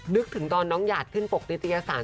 นึกถึงตอนน้องหยาดขึ้นปกติที่อาสาร